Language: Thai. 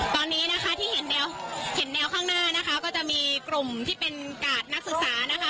ตอนนี้นะคะที่เห็นแนวเห็นแนวข้างหน้านะคะก็จะมีกลุ่มที่เป็นกาดนักศึกษานะคะ